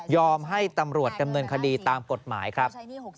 ให้ตำรวจดำเนินคดีตามกฎหมายครับ